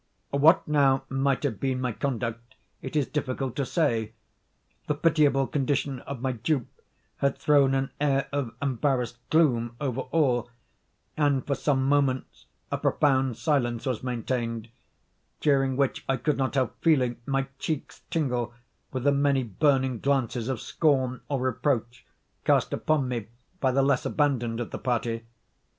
What now might have been my conduct it is difficult to say. The pitiable condition of my dupe had thrown an air of embarrassed gloom over all; and, for some moments, a profound silence was maintained, during which I could not help feeling my cheeks tingle with the many burning glances of scorn or reproach cast upon me by the less abandoned of the party.